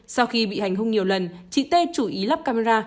sau khi bị hành hung nhiều lần chị tê chú ý lắp camera